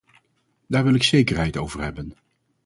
Daar wil ik zekerheid over hebben.